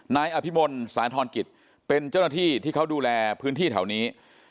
นายอภิมลสาธรณกิจเป็นเจ้าหน้าที่ที่เขาดูแลพื้นที่แถวนี้